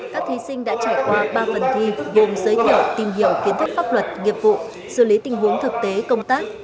các thí sinh đã trải qua ba phần thi gồm giới thiệu tìm hiểu kiến thức pháp luật nghiệp vụ xử lý tình huống thực tế công tác